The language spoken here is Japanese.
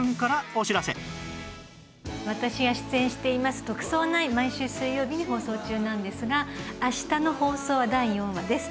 私が出演しています『特捜９』毎週水曜日に放送中なんですが明日の放送は第４話です。